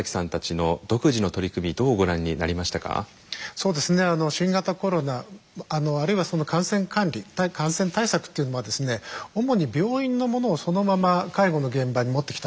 そうですね新型コロナあるいはその感染管理感染対策っていうのは主に病院のものをそのまま介護の現場に持ってきたということが多いんですね。